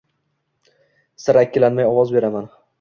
Sira ikkilanmay ovoz beraman.